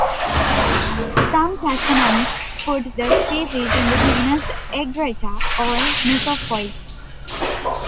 Some taxonomists put the species in the genus "Egretta" or "Mesophoyx".